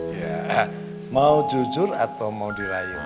ya mau jujur atau mau dirayu